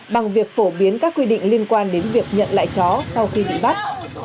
bằng việc phổ biến các quy định liên quan đến việc nhận lại chó sau khi bị bắt